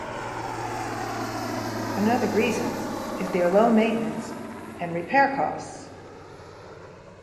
Another reason is their low maintenance and repair costs.